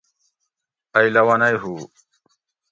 ائ لونئ ہُو